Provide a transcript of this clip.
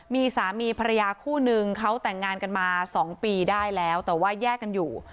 มีสามีภรรยาคู่นึงเขาแต่งงานกันมา๒ปีได้แล้วแต่ว่าแยกกันอยู่